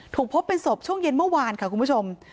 พบเป็นศพช่วงเย็นเมื่อวานค่ะคุณผู้ชม